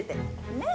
ねえ？